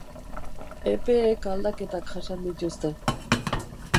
Epeek aldaketak jasan dituzte.